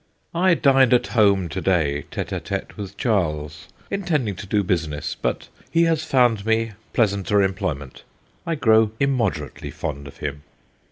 ' I dined at home to day tSte a tSte with Charles, intending to do business, but he has found me pleasanter employment. I grow immoderately fond of him.'